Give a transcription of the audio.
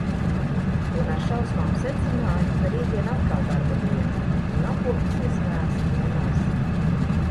Un ar šausmām secināju, ka rītdien atkal darba diena. Un atpūtusies neesmu nemaz.